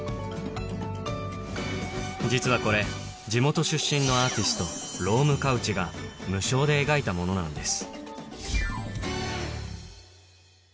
実はこれ地元出身のアーティストが無償で描いたものなんです